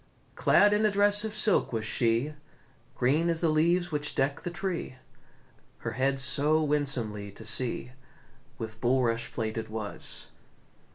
Clad in a dress of silk was she, Green as the leaves which deck the tree, Her head so winsomely to see With bulrush plaited was.